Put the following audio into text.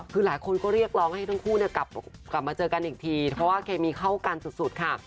คือหลายคนก็เรียกร้องให้ทั้งคู่กลับมาเจอกันอีกทีเพราะว่าเคมีเข้ากันสุดค่ะ